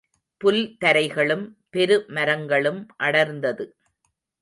புல் தரைகளும் பெரு மரங்களும் அடர்ந்தது.